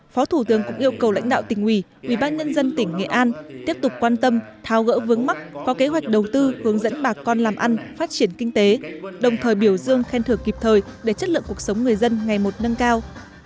phó thủ tướng cũng yêu cầu lãnh đạo tỉnh ủy ubnd tỉnh nghệ an tiếp tục quan tâm tháo gỡ vướng mắt có kế hoạch đầu tư hướng dẫn bà con làm ăn phát triển kinh tế đồng thời biểu dương khen thưởng kịp thời để chất lượng cuộc sống người dân ngày một nâng cao